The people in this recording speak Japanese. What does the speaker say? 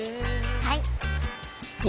はい！